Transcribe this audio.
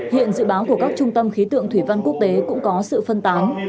hiện dự báo của các trung tâm khí tượng thủy văn quốc tế cũng có sự phân tán